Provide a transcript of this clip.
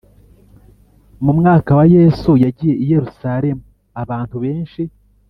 Mu mwaka wa yesu yagiye i yerusalemu abantu benshi